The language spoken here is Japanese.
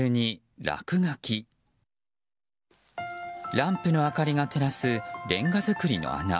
ランプの明かりが照らすレンガ造りの穴。